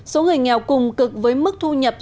số người nghèo cùng cực với mức thu nhập